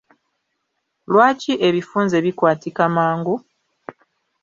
Lwaki ebifunze bikwatika mangu?